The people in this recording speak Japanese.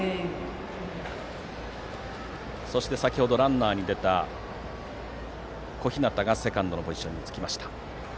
そして先程ランナーに出た小日向がセカンドのポジションについています。